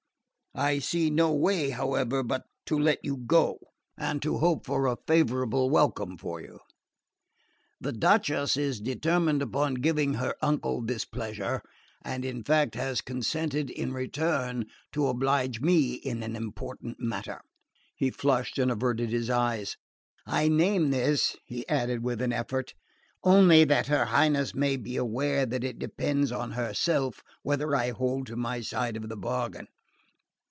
I see no way, however, but to let you go, and to hope for a favourable welcome for you. The Duchess is determined upon giving her uncle this pleasure, and in fact has consented in return to oblige me in an important matter." He flushed and averted his eyes. "I name this," he added with an effort, "only that her Highness may be aware that it depends on herself whether I hold to my side of the bargain.